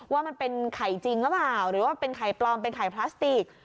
ว่ามันเป็นไข่จริงหรือเปล่าหรือว่าเป็นไข่ปลอมเป็นไข่พลาสติก